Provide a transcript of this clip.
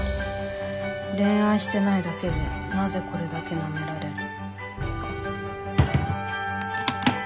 恋愛してないだけでなぜこれだけ舐められる」。